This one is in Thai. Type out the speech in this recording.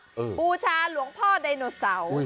บูชาหลวงพ่อไดโนเสาร์